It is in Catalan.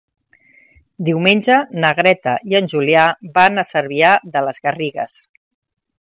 Diumenge na Greta i en Julià van a Cervià de les Garrigues.